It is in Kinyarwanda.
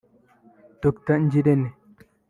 Dr Ngirente